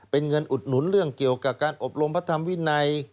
เป็นเงินอุดหนุนเรื่องเกี่ยวกับการอบรมพระธรรมวินัย